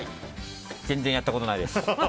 全然やったことないです。